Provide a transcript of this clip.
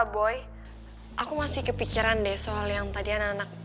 boy aku masih kepikiran deh soal yang tadi anak anak